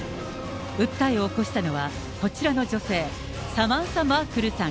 訴えを起こしたのはこちらの女性、サマンサ・マークルさん。